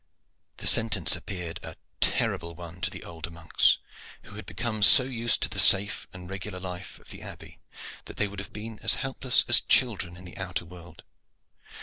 The sentence appeared a terrible one to the older monks, who had become so used to the safe and regular life of the Abbey that they would have been as helpless as children in the outer world.